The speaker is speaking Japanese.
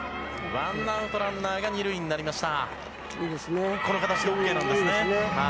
ワンアウト、ランナーが２塁になりました。